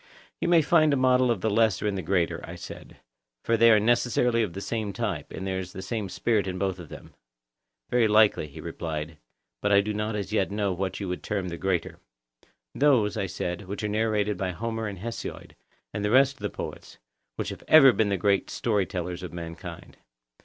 You may find a model of the lesser in the greater, I said; for they are necessarily of the same type, and there is the same spirit in both of them. Very likely, he replied; but I do not as yet know what you would term the greater. Those, I said, which are narrated by Homer and Hesiod, and the rest of the poets, who have ever been the great story tellers of mankind.